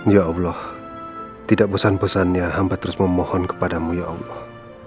ya allah tidak bosan bosannya hamba terus memohon kepadamu ya allah